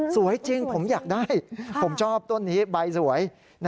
สวยจริงผมอยากได้ผมชอบต้นนี้ใบสวย